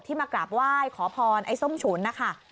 มากราบไหว้ขอพรไอ้ส้มฉุนนะคะ